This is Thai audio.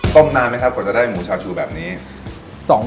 ต้มนานไหมครับผมจะได้หมูชาชูแบบนี้ครับ